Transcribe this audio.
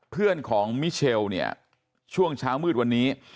เพื่อนของมิเชลเนี่ยช่วงเช้ามืดวันนี้